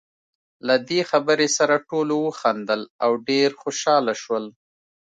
له دې خبرې سره ټولو وخندل، او ډېر خوشاله شول.